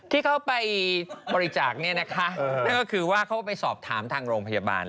ที่เขาไปบริจาคเนี่ยนะคะนั่นก็คือว่าเขาก็ไปสอบถามทางโรงพยาบาล